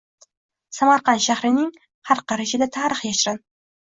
Samarqand shahrining har qarichida tarix yashirinng